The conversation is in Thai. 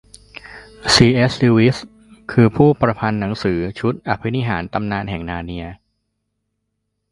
ซี. เอส. ลิวอิส คือ ผู้ประพันธ์หนังสือชุด อภินิหารตำนานแห่งนาร์เนีย